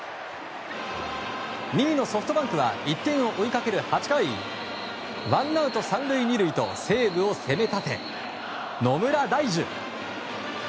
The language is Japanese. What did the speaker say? ２位のソフトバンクは１点を追いかける８回ワンアウト３塁２塁と西武を攻め立て、野村大樹。